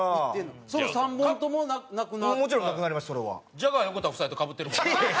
ジャガー横田夫妻とかぶってるもんな。